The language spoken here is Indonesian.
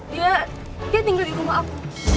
dia dia tinggal di rumah aku